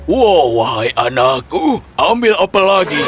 wah wahai anakku ambil apel lagi ayo